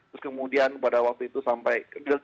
terus kemudian pada waktu itu kita tahu